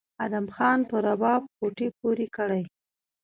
ادم خان په رباب ګوتې پورې کړې